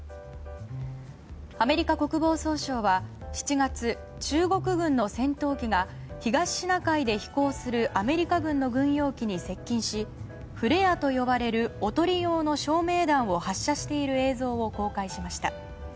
アメリカ国防総省は７月中国軍の戦闘機が東シナ海で飛行するアメリカ軍の軍用機に接近しフレアと呼ばれるおとり用の照明弾を発射している映像を公開しました。